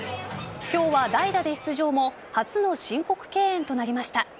今日は代打で出場も初の申告敬遠となりました。